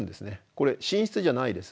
これ寝室じゃないです。